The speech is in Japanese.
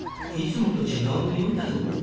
いつもと違う匂いだぞ。